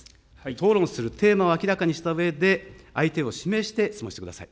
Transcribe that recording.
討論するテーマを明らかにしたうえで、相手を指名して質問してください。